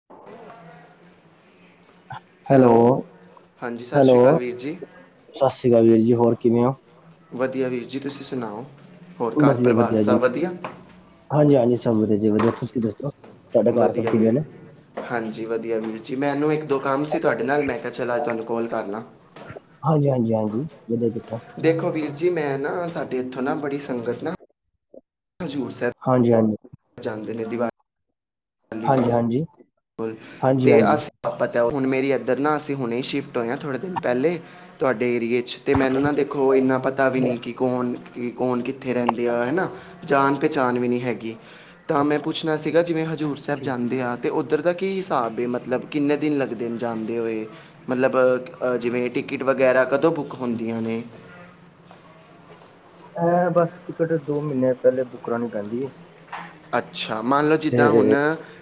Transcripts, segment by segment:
[inaudible] Hello, ਹਾਂਜੀ ਸਤਿ hello, ਸ਼੍ਰੀ ਅਕਾਲ ਵੀਰ ਜੀ 'ਸਤਿ ਸ਼੍ਰੀ ਅਕਾਲ' ਵੀਰ ਜੀ, ਹੋਰ ਕਿਵੇਂ ਓ? ਵਧੀਆ ਵੀਰ ਜੀ, ਤੁਸੀਂ ਸੁਣਾਓ? ਹੋਰ ਘਰ ਵਧੀਆ- ਪਰਿਵਾਰ ਵਧੀਆ ਜੀ, ਸਭ ਹਾਂਜੀ- ਹਾਂਜੀ ਸਭ ਵਧੀਆ ਜੀ ਵਧੀਆ, ਤੁਸੀਂ ਦੱਸੋ? ਸੋਡੇ ਘਰ ਸਭ ਵਧੀਆ ਕਿਵੇਂ ਨੇ? ਵੀਰ ਹਾਂਜੀ, ਵਧੀਆ ਵੀਰ ਜੀ ਮੈਨੂੰ ਇੱਕ- ਦੋ ਕੰਮ ਸੀ ਤੁਹਾਡੇ ਨਾਲ, ਮੈਂ ਕਿਹਾ ਅੱਜ ਤੁਹਾਨੂੰ ਕੋਲ ਕਰ ਲਾਂ। ਹਾਂਜੀ- ਹਾਂਜੀ, ਹਾਂਜੀ ਆਓ ਜੀ ਵਧਿਆ ਕੀਤਾ। ਦੇਖੋ ਵੀਰ ਜੀ ਮੈਂ ਨਾ, ਸਾਡੇ ਇੱਥੋਂ ਨਾ, ਬੜੀ ਸੰਗਤ ਨਾ, 'ਹਜ਼ੂਰ ਸਾਹਿਬ' ਹਾਂਜੀ- ਹਾਂਜੀ। ਜਾਦੇਂ ਨੇ ਗੁਰਦੁਆਰਾ। ਹਾਂਜੀ -ਹਾਂਜੀ। [unintelligible] ਹਾਂਜੀ ਤੇ ਹਾਂਜੀ ਅਸੀਂ ਹੁਣ ਮੇਰੀ ਇੱਧਰ ਨਾ, ਅਸੀਂ ਹੁਣੇ ਸ਼ਿਫਟ ਹੋਏ ਹਾਂ, ਥੋੜੇ ਦਿਨ ਪਹਿਲੇ, ਤੁਹਾਡੇ ਏਰੀਏ 'ਚ'। ਤੇ ਮੈਨੂੰ ਨਾ ਦੇਖੋ ਇੰਨਾ ਪਤਾ ਵੀ ਨਹੀਂ ਕਿ ਕੌਣ, ਕੌਣ ਕਿੱਥੇ ਰਹਿੰਦੇ ਆ ਹਨਾ, ਜਾਣ- ਪਹਿਚਾਣ ਵੀ ਨਹੀਂ ਹੈਗੀ। ਤਾਂ ਮੈਂ ਪੁੱਛਣਾ ਸੀਗਾ ਜਿਵੇਂ 'ਹਜ਼ੂਰ ਸਾਹਿਬ' ਠੀਕ ਜਾਂਦੇ ਆ ਤੇ ਉੱਧਰ ਉਹਦਾ ਕੀ ਹਿਸਾਬ ਹੈ, ਮਤਲਬ ਕਿੰਨੇ ਦਿਨ ਲੱਗਦੇ ਨੇ ਜਾਂਦੇ ਹੋਏ? ਮਤਲਬ, ਜਿਵੇਂ ਟਿਕਟ ਵਗੈਰਾ ਕਦੋਂ ਬੁੱਕ ਹੁੰਦੀਆਂ ਨੇ? ਐਂ ਬਸ, ਟਿਕਟ ਦੋ ਮਹੀਨੇ ਪਹਿਲੇ ਬੁੱਕ ਕਰਾਣੀ ਪੈਂਦੀ ਹੈ। ਅੱਛਾ, ਮੰਨ ਲਓ ਜਿੱਦਾਂ ਹੁਣ, ਤੇ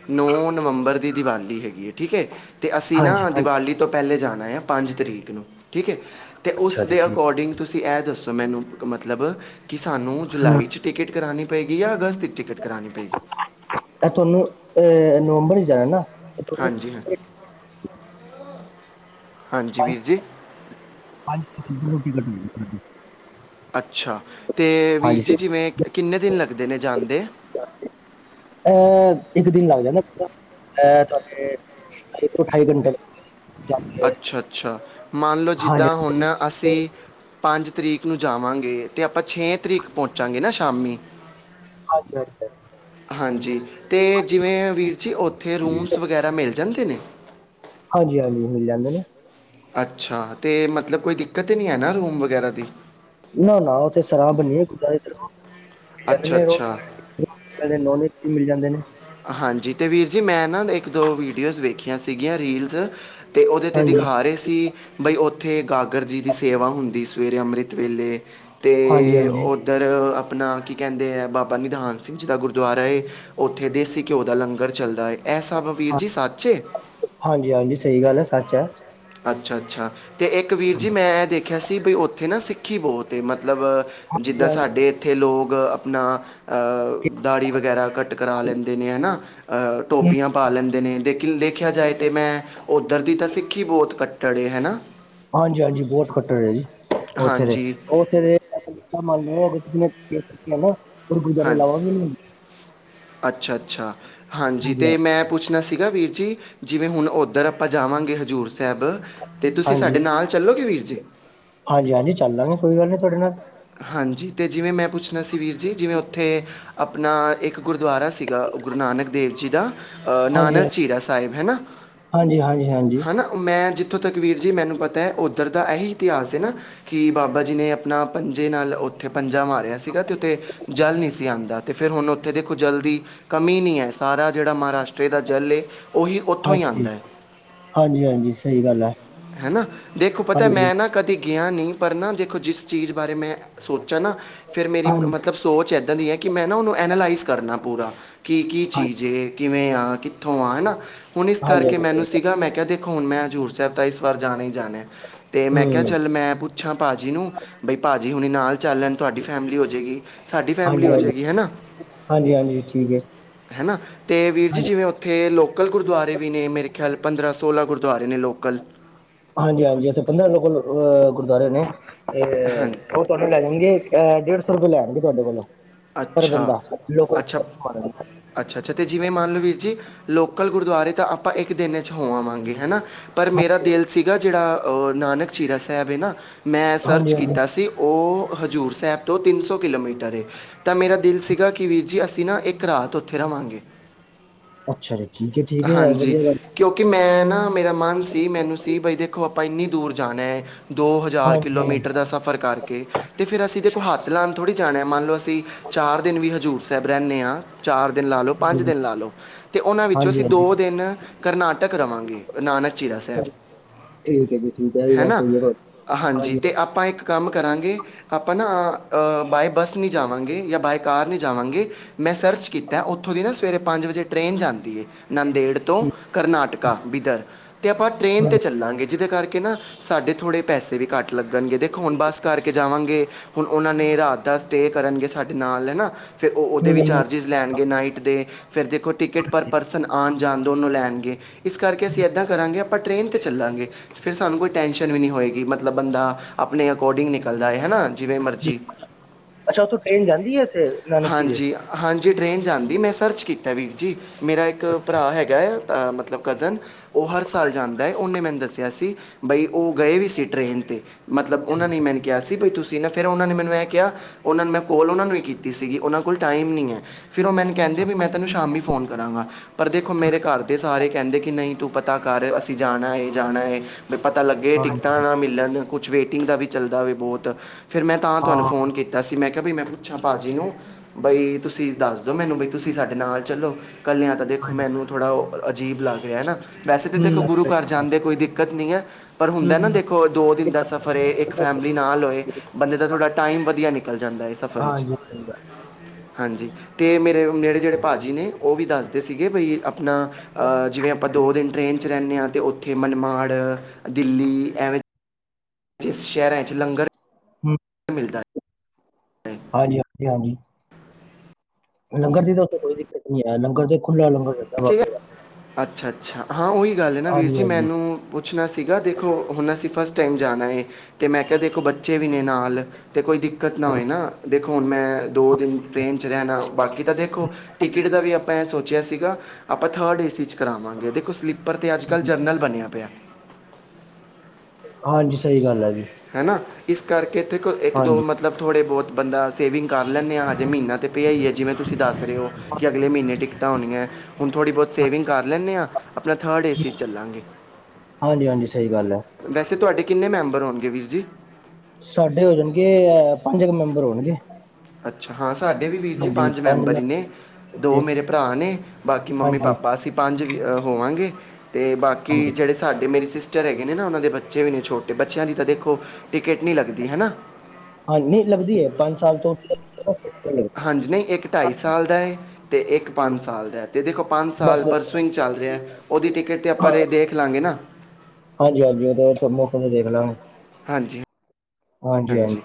ਨੌਂ ਨਵੰਬਰ ਦੀ ਦੀਵਾਲੀ ਹੈਗੀ ਏ, ਠੀਕ ਹੈ। ਅਤੇ ਅਸੀਂ ਹਾਂਜੀ ਨਾ ਹਾਂਜੀ ਦਿਵਾਲੀ ਤੋਂ ਪਹਿਲੇ ਜਾਣਾ ਆ ਪੰਜ ਤਰੀਕ ਨੂੰ। ਠੀਕ ਏ, ਤੇ ਉਸ ਅੱਛਾ ਜੀ ਦੇ ਠੀਕ ਅਕੋਡਿੰਗ ਤੁਸੀਂ ਇਹ ਦੱਸੋ ਮੈਨੂੰ? ਮਤਲਬ, ਕਿ ਸਾਨੂੰ ਹਮ, ਜੁਲਾਈ 'ਚ' ਟਿਕਟ ਕਰਵਾਉਣੀ ਪਏਗੀ, ਜਾਂ ਅਗਸਤ 'ਚ' ਟਿਕਟ ਕਰਾਉਣੀ ਪਏਗੀ। ਇਹ ਤੁਹਾਨੂੰ, ਅਹ ਨਵੰਬਰ ਹੀ ਜਾਣਾ ਨਾ। ਇਹ ਤੁਹਾਨੂੰ ਹਾਂਜੀ- ਹਾਂਜੀ। ਹਾਂਜੀ ਵੀਰ ਜੀ। ਅ ਰੋਟੀ ਕੀ [unintelligible] ਅੱਛਾ, ਅਤੇ ਵੀਰ ਹਾਂਜੀ ਜੀ ਸਰ, ਜਿਵੇਂ, ਕਿੰਨੇ ਦਿਨ ਲੱਗਦੇ ਨੇ ਜਾਂਦੇ। ਅਹ ਇੱਕ ਦਿਨ ਲੱਗ ਜਾਂਦਾ ਪੂਰਾ, ਅ ਤੁਹਾਡੇ ਸਤਾਈ ਤੌ ਅਠਾਈ ਘੰਟੇ ਲ ਅੱਛਾ -ਅੱਛਾ ਮੰਨ ਲਓ, ਹਾਂਜੀ, ਜਿੱਦਾਂ ਹਾਂਜੀ। ਹੁਣ ਅਸੀਂ ਪੰਜ ਤਰੀਕ ਨੂੰ ਜਾਵਾਂਗੇ, ਤੇ ਆਪਾਂ ਛੇ ਤਰੀਕ ਪਹੁੰਚਾਂਗੇ ਨਾ ਸ਼ਾਮੀ। ਹਾਂਜੀ- ਹਾਂਜੀ। ਹਾਂਜੀ, ਅਤੇ ਜਿਵੇਂ ਵੀਰ ਜੀ ਉੱਥੇ ਰੂਮਸ ਵਗੈਰਾ ਮਿਲ ਜਾਂਦੇ ਨੇ। ਹਾਂਜੀ- ਹਾਂਜੀ, ਮਿਲ ਜਾਂਦੇ ਨੇ। ਅੱਛਾ, ਅਤੇ ਮਤਲਬ ਕੋਈ ਦਿੱਕਤ ਨਹੀਂ ਹੈ ਨਾ ਰੂਮ ਵਗੈਰਾ ਦੀ। ਨਾ- ਨਾ ਉਹਥੇ ਸਰਾਂ ਬਣੀ ਹੋਈ ਐ, ਗੁਰਦੁਆਰੇ ਇੱਧਰ। ਅੱਛਾ ਅੱਛਾ [unintelligible] ਕਦੇ ਨੋਨਵੈਜ ਵੀ ਮਿਲ ਜਾਂਦੇ ਨੇ। ਹਾਂਜੀ ਅਤੇ ਵੀਰ ਜੀ ਮੈਂ ਨਾ ਇੱਕ ਦੋ ਵੀਡੀਓਜ਼ ਵੇਖੀਆਂ ਸੀਗੀਆਂ ਰੀਲਸ ਤੇ ਉਹਦੇ ਤੇ ਹਾਂਜੀ, ਦਿਖਾ ਸੀ ਬਈ ਉੱਥੇ ਗਾਗਰ ਜੀ ਦੀ ਸੇਵਾ ਹੁੰਦੀ ਸਵੇਰੇ ਅੰਮ੍ਰਿਤ ਵੇਲੇ ਅਤੇ ਹਾਂਜੀ-ਹਾਂਜੀ, ਉੱਧਰ ਆਪਣਾ ਕੀ ਕਹਿੰਦੇ ਹੈ ਬਾਬਾ ਨਿਧਾਨ ਸਿੰਘ ਜੀ ਦਾ ਗੁਰਦੁਆਰਾ ਏ ਉੱ ਉੱਥੇ ਦੇਸੀ ਘਿਓ ਦਾ ਲੰਗਰ ਚੱਲਦਾ ਹੈ ਇਹ ਸਭ ਵੀਰ ਹਾਂ ਜੀ ਸੱਚ ਹੈ। ਹਾਂਜੀ-ਹਾਂਜੀ, ਸਹੀ ਗੱਲ ਹੈ ਸੱਚ ਹੈ। ਅੱਛਾ-ਅੱਛਾ ਅਤੇ ਇੱਕ ਵੀਰ ਜੀ ਹਾਂਜੀ-ਹਾਂਜੀ, ਮੈਂ ਇਹ ਦੇਖਿਆ ਸੀ ਵੀ ਉੱਥੇ ਨਾ ਸਿੱਖੀ ਬਹੁਤ ਹੈ ਮਤਲਬ ਜਿੱਦਾਂ ਸਾਡੇ ਇੱਥੇ ਲੋਕ ਆਪਣਾ ਦਾੜੀ ਵਗੈਰਾ ਕੱ ਟ ਕਰਾ ਲੈਂਦੇ ਨੇ ਹੈ ਨਾ ਟੋਪੀਆਂ ਪਾ ਲੈਂਦੇ ਨੇ ਲੇਕਿਨ ਦੇਖਿਆ ਜਾਏ ਤਾਂ ਮੈਂ ਉੱਧਰ ਦੀ ਤਾਂ ਸਿੱਖੀ ਬਹੁਤ ਕੱਟੜ ਏ ਹੈ ਨਾ। ਹਾਂਜੀ- ਹਾਂਜੀ ਬਹੁਟ ਕੱਟੜ ਹੈ ਜੀ, ਉੱਥੇ ਦੇ ਹਾਂਜੀ ਉੱਥੇ ਦੇ [unintelligible] ਗੁਰੂਦੁਆਰੇ ਲਾਵਾਂਗੇ ਨਹੀਂ। [unintelligible] ਅੱਛਾ-ਅੱਛਾ ਹਾਂਜੀ ਅਤੇ ਮੈਂ ਪੁੱਛਣਾ ਸੀਗਾ ਵੀਰ ਜੀ ਜਿਵੇਂ ਹੁਣ ਉੱਧਰ ਆਪਾਂ ਜਾਵਾਂਗੇ ਹਜ਼ੂਰ ਸਾਹਿਬ ਅਤੇ ਤੁਸੀਂ ਸਾਡੇ ਨਾਲ ਚੱਲੋਗੇ ਵੀਰ ਜੀ? ਹਾਂਜੀ-ਹਾਂਜੀ ਚੱਲ ਲਾਂਗੇ ਕੋਈ ਗੱਲ ਨਹੀਂ ਤੁਹਾਡੇ ਨਾਲ। ਹਾਂਜੀ ਅਤੇ ਜਿਵੇਂ ਮੈਂ ਪੁੱਛਣਾ ਸੀ ਵੀਰ ਜੀ ਜਿਵੇਂ ਉੱਥੇ ਆਪਣਾ ਇੱਕ ਗੁਰਦੁਆਰਾ ਸੀਗਾ ਗੁਰੂ ਨਾਨਕ ਦੇਵ ਜੀ ਦਾ ਨਾਨਕ ਚੀਰਾ ਸਾਹਿਬ ਹੈ ਨਾ। ਹਾਂਜੀ- ਹਾਂਜੀ -ਹਾਂਜੀ ਹਨਾ ਮੈਂ ਜਿੱਥੋਂ ਤੱਕ ਵੀਰ ਜੀ ਮੈਨੂੰ ਪਤਾ ਹੈ ਉੱਧਰ ਦਾ ਇਹੀ ਇਤਿਹਾਸ ਹੈ ਨਾ ਕਿ ਬਾਬਾ ਜੀ ਨੇ ਆਪਣਾ ਪੰਜੇ ਨਾਲ ਉੱਥੇ ਪੰਜਾ ਮਾਰਿਆ ਸੀਗਾ ਅਤੇ ਉੱਥੇ ਜਲ ਨਹੀਂ ਸੀ ਆਉਂਦਾ। ਅਤੇ ਫਿਰ ਹੁਣ ਉੱਥੇ ਦੇਖੋ ਜਲ ਦੀ ਕਮੀ ਨਹੀਂ ਹੈ ਸਾਰਾ ਜਿਹੜਾ ਮਹਾਰਾਸ਼ਟਰ ਦਾ ਜਲ ਉਹੀ ਉੱਥੋਂ ਹੀ ਹਾਂਜੀ, ਆਉਂਦਾ ਆਂ। ਹਾਂਜੀ-ਹਾਂਜੀ, ਸਹੀ ਗੱਲ ਹੈ। ਹਨਾ, ਦੇਖੋ ਪਤਾ ਹਾਂਜੀ, ਮੈਂ ਨਾ ਕਦੀ ਕਿਆ ਨਹੀਂ ਪਰ ਦੇਖੋ ਜਿਸ ਚੀਜ਼ ਬਾਰੇ ਮੈਂ ਸੋਚਾ ਨਾ ਫਿਰ ਮੇਰੀ ਮਤਬ ਹਾਂਜੀ, ਹਾਂਜੀ, ਮਤਲਬ ਸੋਚ ਇੱਦਾਂ ਦੀ ਹੈ ਕਿ ਮੈਂ ਨਾ ਉਹਨੂੰ ਐਨਾਲਾਈਜ਼ ਕਰਨਾ ਪੂਰਾ ਕੀ ਕੀ ਚੀਜ਼ ਹੈ ਕਿਵੇਂ ਆ ਕਿ ਉਥੋਂਵਾਂ ਹੈ ਨਾ ਹੁਣ ਇਸ ਕਰਕੇ ਹਾਂਜੀ-ਹਾਂਜੀ ਸਹੀ ਮੈਨੂੰ ਸੀਗਾ ਮੈਂ ਕਿਹਾ ਦੇਖੋ ਹੁਣ ਮੈਂ ਹਜ਼ੂਰ ਸਾਹਿਬ ਤਾਂ ਇਸ ਵਾਰ ਜਾਣਾ ਹੀ ਜਾਣਾ ਤੇ ਮੈਂ ਕਿਹਾ ਹੂੰ, ਚੱਲ ਮੈਂ ਪੁ ਪੁੱਛਾਂ ਭਾਅ ਜੀ ਨੂੰ ਬਈ ਭਾਜੀ ਹੁਣੀ ਨਾਲ ਚੱਲ ਲੈਣ ਤੁਹਾਡੀ ਫੈਮਿਲੀ ਹੋ ਜਾਵੇਗੀ। ਸਾਡੀ ਫੈਮਿਲੀ ਹੋ ਹਾਂਜੀ-ਹਾਂਜੀ, ਜਾਏਗੀ ਹੈ ਨਾ। ਹਾਂਜੀ-ਹਾਂਜੀ ਠੀਕ ਏ। [unintelligible] ਹੈ ਨਾ ਅਤੇ ਵੀਰ ਜੀ ਹਾਂਜੀ, ਜਿਵੇਂ ਉੱਥੇ ਲੋਕ ਲੋਕਲ ਗੁਰਦੁਆਰੇ ਵੀ ਨੇ ਮੇਰੇ ਖਿਆਲ ਪੰਦਰਾਂ ਸੋਲ੍ਹਾਂ ਗੁਰਦੁਆਰੇ ਨੇ ਲੋਕਲ। ਹਾਂਜੀ-ਹਾਂਜੀ ਉੱਥੇ ਪੰਦਰਾਂ ਲੋਕਲ ਗੁਰਦੁਆਰੇ ਨੇ, ਤੇ ਹਾਂ ਤੁਹਾਨੂੰ ਲੈ ਜਾਣਗੇ ਅਹ ਡੇਢ ਸੌ ਰੁਪਏ ਲੈਣਗੇ ਤੁਹਾਡੇ ਕੋਲੋਂ ਪਰ ਅੱਛਾ ਬੰਦਾ ਲੋਕਲ। ਅੱਛਾ-ਅੱਛਾ ਅਤੇ ਜਿਵੇਂ ਮੰਨ ਲਓ ਵੀਰ ਜੀ ਲੋਕਲ ਗੁਰਦੁਆਰੇ ਤਾਂ ਆਪਾਂ ਇੱਕ ਦਿਨ 'ਚ ਹੋ ਆਵਾਂਗੇ ਹੈ ਨਾ। ਪਰ ਮੇਰਾ ਦਿਲ ਸੀਗਾ ਜਿਹੜਾ ਉਹ ਨਾਨਕ ਝੀਰਾ ਸਾਹਿਬ ਹੈ ਨਾ ਮੈਂ ਸਰਚ ਹਾਂਜੀ-ਹਾਂਜੀ, ਕੀਤਾ ਸੀ। ਉਹ ਹਜ਼ੂਰ ਸਾਹਿਬ ਤੋਂ ਤਿੰਨ ਸੌ ਕਿਲੋਮੀਟਰ ਏ। ਤਾਂ ਮੇਰਾ ਦਿਲ ਸੀਗਾ ਕਿ ਵੀਰ ਜੀ ਅਸੀਂ ਨਾ ਇੱਕ ਰਾਤ ਉੱਥੇ ਰਹਾਂਗੇ। ਅੱਛਾ ਜੀ, ਠੀਕ ਹੈ -ਠੀਕ ਹੈ ਇਹ ਹਾਂਜੀ ਵਧੀਆ ਗੱਲ ਐ। ਕਿਉਂਕਿ ਮੈਂ ਨਾ ਮੇਰਾ ਮਨ ਸੀ ਮੈਨੂੰ ਸੀ ਬਈ ਦੇਖੋ ਆਪਾਂ ਇੰਨੀ ਦੂਰ ਜਾਣਾ। ਦੋ ਹਜ਼ਾਰ ਹਾਂਜੀ, ਕਿਲੋਮੀਟਰ ਦਾ ਸਫ਼ਰ ਕਰਕੇ ਅਤੇ ਫਿਰ ਅਸੀਂ ਦੇਖੋ ਹੱਥ ਲਾਉਣ ਥੋੜ੍ਹੀ ਜਾਣਾ ਮੰਨ ਲਓ ਅਸੀਂ ਚਾਰ ਦਿਨ ਵੀ ਹਜ਼ੂਰ ਸਾਹਿਬ ਰਹਿੰਦੇ ਆਂ ਚਾਰ ਦਿਨ ਲਾ ਲੋ ਪੰਜ ਦਿਨ ਲਾ ਲਓ। ਤੇ ਉਹਨਾਂ ਵਿੱਚੋਂ ਅਸੀਂ ਦੋ ਹਾਂਜੀ-ਹਾਂਜੀ। ਦਿਨ ਕਰਨਾਟਕ ਰਵਾਂਗੇ ਗੁਰੂ ਨਾਨਕ ਚੀਰਾ ਸਾਹਿਬ। ਠੀਕ ਏ ਜੀ ਠੀਕ ਏ ਇਹ ਵੀ ਗੱਲ ਹੈਨਾ ਸਹੀ ਏ ਤੁਹਾਡੀ ਹਾਂਜੀ ਤੇ ਆਪਾਂ ਇੱਕ ਕੰਮ ਕਰਾਂਗੇ ਆਪਾਂ ਨਾਂ ਬਾਏ ਬੱਸ ਨੀ ਜਾਵਾਂਗੇ। ਜਾਂ ਬਾਏ ਕਾਰ ਨਹੀਂ ਜਾਵਾਂਗੇ ਮੈਂ ਸਰਚ ਕੀਤਾ ਉੱਥੋਂ ਦੀ ਨਾ ਸਵੇਰੇ ਪੰਜ ਵਜੇ ਟ੍ਰਰੇਨ ਜਾਂਦੀ ਏ। ਨੰਦੇੜ ਤੋਂ ਕਰਨਾਟਕਾ ਵਿਦਰ ਤੇ ਆਪਾਂ ਟ੍ਰੇਨ ਤੇ ਹੂੰ, ਚੱਲਾਂਗੇ। ਜਿਹਦੇ ਕਰਕੇ ਨਾ ਸਾਡੇ ਥੋੜੇ ਪੈਸੇ ਵੀ ਘੱਟ ਲੱਗਣਗੇ ਦੇਖੋ ਹੁਣ ਬਸ ਕਰਕੇ ਜਾਵਾਂਗੇ ਹੁਣ ਉਹਨਾਂ ਨੇ ਰਾਤ ਦਾ ਸਟੇਅ ਕਰਨਗੇ ਸਾਡੇ ਨਾਲ ਹੈ ਨਾ। ਫਿਰ ਉਹ ਉਹਦੇ ਵੀ ਹੂੰ ਹੂੰ। ਚਾਰਜਿਸ ਲੈਣਗੇ ਨਾਈਟ ਦੇ ਫਿਰ ਦੇਖੋ ਟਿਕਟ ਪਰ ਪਰਸਨ ਆਣ ਜਾਣ ਦੋਨੋਂ ਲੈਣਗੇ ਇਸ ਕਰਕੇ ਅਸੀਂ ਇੱਦਾਂ ਕਰਾਂਗੇ ਆਪਾ ਟਰੇਨ ਤੇ ਚੱਲਾਂਗੇ। ਫਿਰ ਸਾਨੂੰ ਕੋਈ ਟੈਸ਼ਨ ਵੀ ਨਹੀਂ ਹੋਏਗੀ ਮਤਲਬ ਬੰਦਾ ਆਪਣੇ ਅਕੋਰਡਿੰਗ ਨਿਕਲਦਾ ਹੈ ਹਨਾ। ਜਿਵੇਂ ਮਰਜ਼ੀ ਅੱਛਾ ਉੱਥੋਂ ਟ੍ਰੇਨ ਜਾਂਦੀ ਏ। ਇੱਥੇ ਨਾਨਕ ਝੀਰੇ ਹਾਂਜੀ ਹਾਂਜੀ ਟਰੇਨ ਜਾਂਦੀ। ਮੈਂ ਸਰਚ ਕੀਤਾ ਵੀਰ ਜੀ ਮੇਰਾ ਇੱਕ ਭਰਾ ਹੈਗਾ ਆ ਮਤਲਬ ਕਜ਼ਨ ਉਹ ਹਰ ਸਾਲ ਜਾਂਦਾ ਐ। ਉਹਨੇ ਮੈਨੂੰ ਦੱਸਿਆ ਸੀ ਬਈ ਉਹ ਗਏ ਵੀ ਸੀ ਟ੍ਰਰੇਨ 'ਤੇ ਮਤਲਬ ਉਹਨਾਂ ਨੇ ਠੀਕ ਏ ਮੈਨੂੰ ਕਿਹਾ ਸੀ ਬਈ ਤੁਸੀਂ ਨਾ ਫਿਰ ਉਹਨਾਂ ਨੇ ਮੈਨੂੰ ਐਂ ਕਿਹਾ ਉਹਨਾਂ ਨੂੰ ਮੈਂ ਕੋਲ ਉਹਨਾਂ ਨੂੰ ਈ ਕੀਤੀ ਸੀਗੀ ਉਹਨਾਂ ਕੋਲ ਟਾਈਮ ਨਹੀਂ ਐ। ਫਿਰ ਉਹ ਮੈਨੂੰ ਕਹਿੰਦੇ ਵੀ ਮੈਂ ਤੈਨੂੰ ਸ਼ਾਮੀ ਫ਼ੋਨ ਕਰਾਂਗਾ। ਪਰ ਦੇਖੋ ਮੇਰੇ ਘਰ ਦੇ ਸਾਰੇ ਕਹਿੰਦੇ ਕਿ ਨਹੀਂ ਤੂੰ ਪਤਾ ਕਰ ਅਸੀਂ ਜਾਣਾ ਏ ਜਾਣਾ ਏ ਵੀ ਪਤਾ ਲੱਗੇ ਟਿਕਟਾਂ ਹਾਂਜੀ, ਨਾ ਮਿਲ ਕੁਛ ਵੇਟਿੰਗ ਦਾ ਵੀ ਚੱਲਦਾ ਬਹੁਤ ਫਿਰ ਮੈਂ ਤਾਂ ਤੁਹਾਨੂੰ ਹਾਂ, ਫੋਨ ਕੀਤਾ ਸੀ। ਮੈਂ ਵੀ ਮੈਂ ਪੁੱਛਾਂ ਭਾਜੀ ਨੂੰ ਬਈ ਤੁਸੀਂ ਦੱਸ ਦੋ ਮੈਨੂੰ ਬਈ ਤੁਸੀਂ ਸਾਡੇ ਨਾਲ ਚਲੋ। ਕਲਿਆਂ ਤਾਂ ਦੇਖੋ ਹਾਂਜੀ ਮੈਨੂੰ ਥੋੜ੍ਹਾ ਉਹ ਅਜੀਬ ਲੱਗਦਾ। ਹੈਨਾ ਵੈਸੇ ਤਾਂ ਦੇਖੋ ਹੂੰ, ਗੁਰੂ ਘਰ ਜਾਂਦੇ ਕੋਈ ਦਿੱਕਤ ਨਹੀਂ ਐ। ਪਰ ਹੂੰ ਹੁੰਦਾ ਨਾ ਹੂੰ। ਦੇਖੋ ਦੋ ਦਿਨ ਦਾ ਇੱਕ- ਸਫ਼ਰ ਏ ਇੱਕ ਫੈਮਿਲੀ ਨਾਲ ਹੋਏ। ਬੰਦੇ ਦਾ ਥੋੜ੍ਹਾ ਟਾਈਮ ਵਧੀਆ ਨਿਕਲ ਜਾਂਦਾ ਐ ਸਫ਼ਰ ਵਿੱਚ ਹਾਂਜੀ ਸਹੀ ਗੱਲ ਹਾਂਜੀ ਅਤੇ ਮੇਰੇ ਮੇੜੇ ਜਿਹੜੇ ਭਾਅ ਜੀ ਨੇ ਉਹ ਵੀ ਦੱਸਦੇ ਸੀਗੇ ਬਈ ਆਪਣਾ ਜਿਵੇਂ ਆਪਾਂ ਦੋ ਦਿਨ ਟ੍ਰੇਨ 'ਚ ਰਹਿੰਦੇ ਹਾਂ ਤੇ ਉੱਥੇ ਮਨਮਾੜ ਦਿੱਲੀ ਐਵੇਂ ਇਸ ਸ਼ਹਿਰਾਂ 'ਚ ਲੰਗਰ ਹੂੰ ਮਿਲਦਾ ਹੈ ਹਾਂਜੀ ਹਾਂਜੀ ਹਾਂਜੀ ਲੰਗਰ ਦੀ ਤਾਂ ਉਥੇ ਕੋਈ ਦਿੱਕਤ ਨੀ ਐ। ਲੰਗਰ ਤੇ ਖੁੱਲਾ ਲੰਗਰ ਬਾਬੇ ਦਾ ਅੱਛਾ ਅੱਛਾ ਹਾਂ ਉਹੀ ਗੱਲ ਨਾ ਵੀਰ ਹਾਂਜੀ ਜੀ ਹਾਂਜੀ ਮੈਨੂੰ ਪੁੱਛਣਾ ਸੀਗਾ ਦੇਖੋ ਹੁਣ ਅਸੀਂ ਫਸਟ ਟਾਈਮ ਜਾਣਾ ਐ। ਤੇ ਮੈਂਖਾ ਦੇਖੋ ਬੱਚੇ ਵੀ ਨੇ ਨਾਲ ਤੇ ਕੋਈ ਦਿੱਕਤ ਨਾ ਹੋਏ ਨਾ। ਦੇਖੋ ਮੈਂ ਦੋ ਦਿਨ ਟ੍ਰੇਨ 'ਚ ਰਹਿਣਾ ਬਾਕੀ ਤਾਂ ਦੇਖੋ ਟਿਕਟ ਦਾ ਵੀ ਆਪਾਂ ਇਹ ਸੋਚਿਆ ਸੀਗਾ ਆਪਾਂ ਥਰਡ ਏ ਸੀ 'ਚ ਕਰਾਵਾਂਗੇ ਦੇਖੋ ਸਲੀਪਰ 'ਤੇ ਅੱਜ ਕੱਲ੍ਹ ਜਰਨਲ ਬਣਿਆ ਪਿਆ। ਹਾਂਜੀ ਸਹੀ ਗੱਲ ਆ ਜੀ। ਹੈ ਨਾ ਇਸ ਕਰਕੇ ਦੇਖੋ ਇੱਕ ਦੋ ਹਾਂਜੀ ਮਤਲਬ ਥੋੜ੍ਹੇ ਬਹੁਤ ਬੰਦਾ ਸੇਵਿੰਗ ਕਰ ਲੈਂਣੇ ਆ। ਹਜੇ ਮਹੀਨਾ ਪਿਆ ਆ ਜਿਵੇਂ ਤੁਸੀਂ ਦੱਸ ਰਹੇ ਹੋ ਕਿ ਅਗਲੇ ਮਹੀਨੇ ਟਿਕਟਾਂ ਹੋਣੀਆਂ। ਹੁਣ ਥੋੜ੍ਹੀ ਬਹੁਤ ਸੇਵਿੰਗ ਕਰ ਲੈਂਣੇ ਆ। ਆਪਾ ਥਰਡ ਏ ਸੀ ਚੱਲਾਂਗੇ। ਹਾਂਜੀ ਹਾਂਜੀ ਸਹੀ ਗੱਲ ਹੈ ਵੈਸੇ ਤੁਹਾਡੇ ਕਿੰਨੇ ਮੈਂਬਰ ਹੋਣਗੇ ਵੀਰ ਜੀ। ਸਾਡੇ ਹੋ ਜਾਣਗੇ ਅ ਪੰਜ ਕੁ ਮੈਂਬਰ ਹੋਣਗੇ। ਅੱਛਾ। ਹਾਂ ਸਾਡੇ ਵੀ ਵੀਰ ਜੀ ਪੰਜ ਮੈਂਬਰ ਹੀ ਨੇ। ਦੋ ਬੱਚੇ ਮੇਰੇ ਭਰਾ ਨੇ ਬਾਕੀ ਮੰਮੀ ਹਾਂਜੀ -ਪਾਪਾ ਅਸੀਂ ਪੰਜ ਵੀ ਹੋਵਾਂਗੇ, ਤੇ ਬਾਕੀ ਹਾਂਜੀ ਜਿਹੜੇ ਸਾਡੇ ਅਤੇ ਮੇਰੀ ਸਿਸਟਰ ਹੈਗੇ ਨੇ ਨਾ, ਉਹਨਾਂ ਦੇ ਬੱਚੇ ਵੀ ਨੇ ਛੋਟੇ, ਬੱਚਿਆਂ ਦੀ ਤਾਂ ਦੇਖੋ ਟਿਕਟ ਨਹੀਂ ਲੱਗਦੀ, ਹੈਨਾ‌। ਹਾਂ ਨਹੀਂ ਲੱਗਦੀ ਐ, ਪੰਜ ਸਾਲ ਤੋਂ ਉੱਪਰ ਹਾਂਜੀ, ਨਹੀਂ ਇੱਕ ਢਾਈ ਸਾਲ ਦਾ ਤੇ ਇੱਕ ਪੰਜ ਸਾਲ ਦਾ, ਤੇ ਦੇਖੋ ਪੰਜ ਹੈ। ਬਸ ਸਾਲ ਪਰਸੋਂ ਚੱਲ ਰਿਹਾ। ਉਹਦੀ ਟਿਕਟ 'ਤੇ ਆਪਾਂ ਹਾਂ, ਰ ਦੇਖ ਲਵਾਂਗੇ ਨਾ। ਹਾਂਜੀ- ਹਾਂਜੀ, ਉਦੋਂ ਆਪਾਂ ਮੌਕੇ ਤੇ ਦੇਖ ਲਵਾਂਗੇ। ਹਾਂਜੀ ਹਾਂਜੀ- ਹਾਂਜੀ,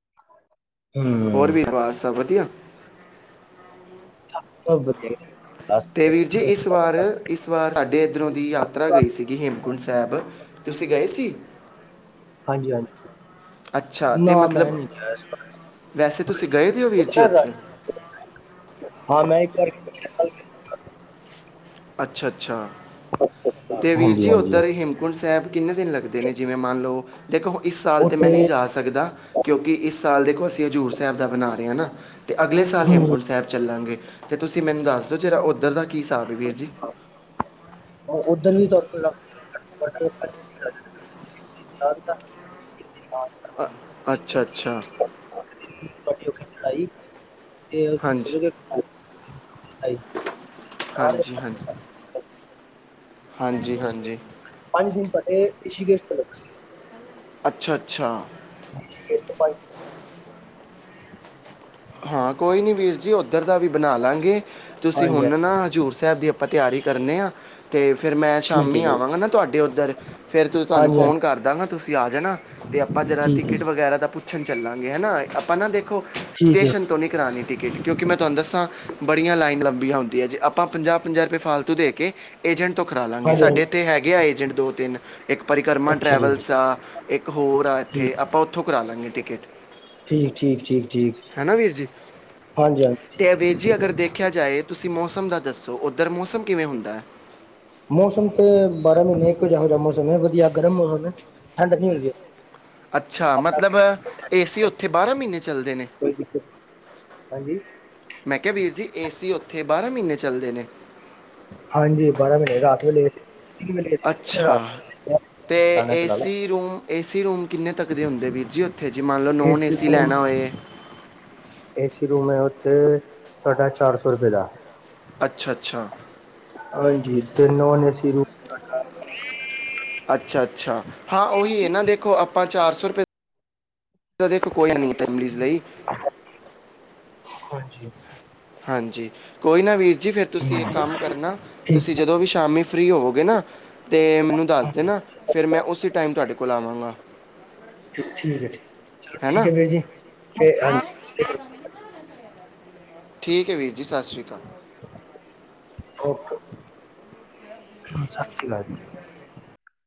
ਹੂੰ। ਪਰਿਵਾਰ ਸਭ ਵਧੀਆ? ਹਾਂ ਸਭ ਵਧੀਆ। ਤੇ ਵੀਰ ਜੀ ਵਧੀਆ ਇਸ ਸੀ। ਵਾਰ, ਇਸ ਵਾਰ ਸਾਡੇ ਇੱਧਰੋਂ ਦੀ ਯਾਤਰਾ ਗਈ ਸੀਗੀ, 'ਹੇਮਕੁੰਟ ਸਾਹਿਬ'। ਤੁਸੀਂ ਗਏ ਸੀ‌‌? ਹਾਂਜੀ- ਹਾਂਜੀ। ਨਾ ਮੈਂ ਮਤਲਬ ਨਹੀਂ ਗਿਆ ਇਸ ਵਾਰ, ਵੈਸੇ ਤੁਸੀਂ ਹਾਂਜੀ ਗਏ ਤੇ ਹੋ ਵੀਰ ਜੀ ਉਥੇ ਨਾ ਉੱਥੇ ਰਸ ਹਾਂ ਮੈਂ ਇੱਕ ਵਾਰ 'ਹੇਮਕੁੰਟ ਸਾਹਿਬ' ਗਿਆ ਜੀ। ਅੱਛਾ -ਅੱਛਾ, ਤੇ ਵੀਰ ਹਾਂਜੀ ਜੀ ਹਾਂਜੀ ਉੱਧਰ 'ਹੇਮਕੁੰਟ ਸਾਹਿਬ'। ਕਿੰਨੇ ਦਿਨ ਲੱਗਦੇ ਨੇ ਜਿਵੇਂ ਮੰਨ ਲਓ, ਦੇਖੋ ਇਸ ਸਾਲ ਤੇ ਮੈਂ ਉੱਥੇ ਨਹੀਂ ਜਾ ਸਕਦਾ। ਕਿਉਂਕਿ ਇਸ ਸਾਲ ਦੇਖੋ, ਅਸੀਂ ਹਜ਼ੂਰ ਸਾਹਿਬ ਦਾ ਬਣਾ ਰਹੇ ਹਾਂ ਨਾ, ਤੇ ਅਗਲੇ ਸਾਲ ਹੂੰ ਹੇਮਕੁੰਟ ਸਾਹਿਬ ਚੱਲਾਂਗੇ। ਤੇ ਤੁਸੀਂ ਮੈਨੂੰ ਦੱਸ ਦਿਓ ਜਰਾ, ਉੱਧਰ ਦਾ ਕੀ ਹਿਸਾਬ ਵੀਰ ਜੀ ਉੱਧਰ ਵੀ ਤਾਂ ਫਿਰ [unintelligible] ਲਾ ਦਿੱਤਾ। ਅੱਛਾ -ਅੱਛਾ। ਬਾਕੀ ਹੋਗੀ ਚੜਾਈ, ਤੇ ਹਾਂਜੀ ਉਦੇ ਤੇ ਚਾਰ ਹਾਂਜੀ। ਹਾਂਜੀ -ਹਾਂਜੀ। ਪਾਣੀ ਦਿਨ ਪਤੇ ਰਿਸ਼ੀਕੇਸ਼ ਚਲੋ। [unintelligible] ਅੱਛਾ -ਅੱਛਾ। ਫਿਰ ਤੋਂ ਪਾਣੀ ਹਾਂ ਕੋਈ ਨਹੀਂ ਵੀਰ ਜੀ ਉੱਧਰ ਦਾ ਵੀ ਬਣਾ ਲਾਂਗੇ। ਤੁਸੀਂ ਹਾਂਜੀ ਹਾਂਜੀ, ਹੁਣ ਨਾ, 'ਹਜ਼ੂਰ ਸਾਹਿਬ' ਦੀ ਆਪਾਂ ਤਿਆਰੀ ਕਰਨੇ ਹਾਂ। ਤੇ ਫਿਰ ਮੈਂ ਠੀਕ ਸ਼ਾਮੀ ਹੈ ਜੀ ਆਵਾਂਗਾ ਨਾ ਤੁਹਾਡੇ ਉੱਧਰ, ਫੇਰ ਤੁੰ ਤੁਹਾਨੂੰ ਹਾਂਜੀ ਫੋਨ ਹਾਂਜੀ, ਕਰ ਦਾਂਗਾ। ਤੁਸੀਂ ਆ ਜਾਣਾ, ਤੇ ਆਪਾਂ ਜਰਾ ਠੀਕ ਹੈ ਟਿਕਟ ਜੀ ਵਗੈਰਾ ਦਾ ਪੁੱਛਣ ਚੱਲਾਂਗੇ ਹਨਾ, ਆਪਾਂ ਨਾ ਦੇਖੋ ਠੀਕ ਹੈ ਸਟੇਸ਼ਨ ਤੋਂ ਨਹੀਂ ਕਰਾਉਣੀ ਟਿਕਟ, ਕਿਉਂਕਿ ਮੈਂ ਤੁਹਾਨੂੰ ਦੱਸਾਂ ਬੜੀਆਂ ਲਾਈਨ ਲੰਬੀਆਂ ਹੁੰਦੀਆਂ ਜੇ, ਆਪਾਂ ਪੰਜਾਹ- ਪੰਜਾਹ ਰੁਪਏ ਫਾਲਤੂ ਦੇ ਕੇ ਏਜੰਟ ਤੋਂ ਕਰਾ ਲਵਾਂਗੇ, ਹਾਂਜੀ ਹਾਂਜੀ, ਸਾਡੇ ਇੱਥੇ ਹੈਗੇ ਆ ਏਜੰਟ ਦੋ- ਤਿੰਨ, ਇੱਕ ਪਰਿਕਰਮਾ ਅੱਛਾ ਜੀ ਟਰੈਵਲਸ ਆ। ਇੱਕ ਹੋਰ ਆ ਇੱਥੇ, ਠੀਕ ਆਪਾਂ ਉੱਥੋਂ ਕਰਾ ਲਾਂਗੇ ਟਿਕਟ। ਠੀਕ- ਠੀਕ -ਠੀਕ- ਠੀਕ। ਹਨਾ ਵੀਰ ਜੀ, ਹਾਂਜੀ ਹਾਂਜੀ ਤੇ ਵੀਰ ਜੀ ਅਗਰ ਦੇਖਿਆ ਜਾਏ। ਤੁਸੀਂ ਮੌਸਮ ਦਾ ਦੱਸੋ? ਉੱਧਰ ਮੌਸਮ ਕਿਵੇਂ ਹੁੰਦਾ? ਮੌਸਮ ਤੇ, ਬਾਰਾਂ ਮਹੀਨੇ ਇੱਕੋ ਜੋ ਜਿਹਾ ਮੌਸਮ ਹੈ, ਵਧੀਆ ਗਰਮ ਮੌਸਮ ਹੈ, ਠੰਢ ਨੀ ਹੈਗੀ। ਅੱਛਾ, ਮਤਲਬ ਏ ਸੀ ਉੱਥੇ ਬਾਰ੍ਹਾਂ ਮਹੀਨੇ ਚੱਲਦੇ ਨੇ? ਕੋਈ ਦਿੱਕਤ ਨਹੀਂ। ਹਾਂਜੀ। ਮੈਂ ਕਿਹਾ ਵੀਰ ਜੀ, ਏ ਸੀ ਉੱਥੇ ਬਾਰ੍ਹਾਂ ਮਹੀਨੇ ਚੱਲਦੇ ਨੇ? ਹਾਂਜੀ ਬਾਰਾਂ ਮਹੀਨੇ, ਰਾਤ ਵੇਲੇ ਵੀ ਏ ਸੀ। ਅੱਛਾ, ਤੇ ਲਾਣਾ ਏ ਚਲਾ ਲਓ ਸੀ ਰੂਮ ਏ ਸੀ ਰੂਮ ਕਿੰਨੇ ਤੱਕ ਦੇ ਹੁੰਦੇ ਵੀਰ ਜੀ ਉੱਥੇ ਜੀ ਮੰਨ ਲੋ ਨੋਨ ਏ ਏਸੀ ਸੀ ਲੈਣਾ ਹੋਏ। ਏ ਸੀ ਰੂਮ ਐ ਉੱਥੇ ਤੁਹਾਡਾ ਚਾਰ ਸੌ ਰੁਪਏ ਦਾ। ਅੱਛਾ - ਅੱਛਾ। ਹਾਂਜੀ, ਤੇ ਨੋਨ ਏਸੀ ਰੂ ਅੱਛਾ - ਅੱਛਾ ਹਾਂ ਉਹੀ ਐ ਨਾ ਦੇਖੋ ਆਪਾਂ ਚਾਰ ਸੌ ਰੁਪਏ ਏ ਤਾਂ ਦੇਖੋ ਕੋਈ ਨੀ ਟਾਈਮਜ਼ ਲਈ। ਹਾਂਜੀ। ਹਾਂਜੀ ਕੋਈ ਨਾ ਵੀਰ ਜੀ ਫੇਰ ਤੁਸੀਂ ਇੱਕ ਠੀਕ ਕੰਮ ਕਰਨਾ ਠੀਕ ਤੁਸੀਂ ਜਦੋਂ ਵੀ ਸ਼ਾਮੀ ਫ੍ਰੀ ਹੋਵੋਗੇ ਨਾ ਤੇ ਮੈਨੂੰ ਦੱਸ ਦੇਣਾ ਫਿਰ ਮੈਂ ਉਸੇ ਟਾਈਮ ਤੁਹਾਡੇ ਕੋਲ ਆਵਾਂਗਾ। ਠੀਕ ਐ ਠੀਕ ਚਲੋ ਹੈ ਠੀਕ ਨਾ ਏ ਫਿਰ। ਤੇ [unintelligible] ਠੀਕ ਏ ਵੀਰ ਜੀ ਸਾਸਰੀ ਕਾਲ। ਓਕੇ। ਸਾਸਰੀ ਕਾਲ ਜੀ।